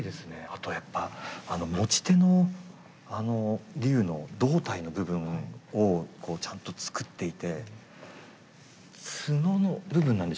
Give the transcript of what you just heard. あとやっぱ持ち手の竜の胴体の部分をちゃんと作っていて角の部分なんでしょうか。